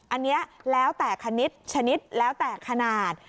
อันนี้แล้วแต่คณิตชนิดแล้วแต่ขนาด